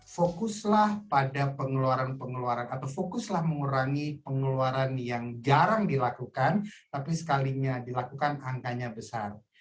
fokuslah pada pengeluaran pengeluaran atau fokuslah mengurangi pengeluaran yang jarang dilakukan tapi sekalinya dilakukan angkanya besar